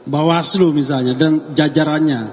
bawaslu misalnya dan jajarannya